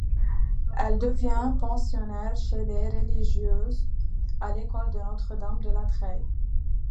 Elle devient pensionnaire chez les religieuses, à l'école de Notre-Dame-de-la-Treille.